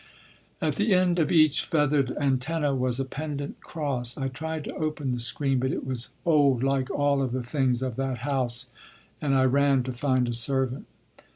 At the end of each feathered antenna was a pendent cross. I tried to open the screen, but it was old like all of the things of that house and I ran to find a servant.